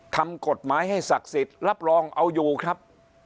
ทำกฎหมายให้ศักดิ์สิทธิ์รับรองเอาอยู่ครับ